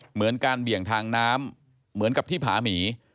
เหมือนการเบี่ยงทางน้ำเหมือนกับที่ผาหมี